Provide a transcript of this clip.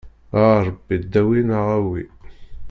A Ṛebbi dawi neɣ awi.